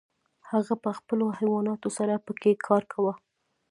هغه به په خپلو حیواناتو سره پکې کار کاوه.